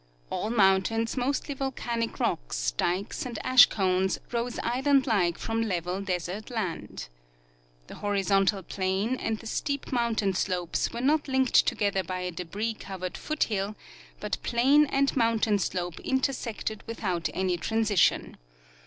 All mountains, mostly volcanic rocks, dikes and ash cones, rose island like from level desert land. The horizontal plain and the steep mountain slopes were not linked together by a debris covered foothill, but plain and mountain slope intersected without any transition.